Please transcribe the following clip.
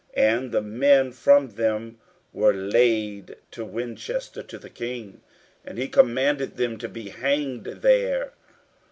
And the men from them were led to Winchester to the King, and he commanded them to be hanged there.